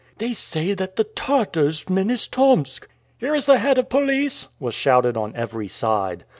"They say that the Tartars menace Tomsk!" "Here is the head of police!" was shouted on every side.